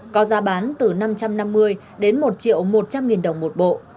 có giá bán từ năm trăm năm mươi đến một triệu một trăm linh nghìn đồng một bộ